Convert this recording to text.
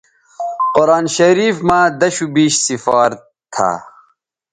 قرآن شریف مہ دشوبیش سفار تھا